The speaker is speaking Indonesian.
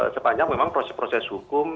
sepanjang memang proses proses hukum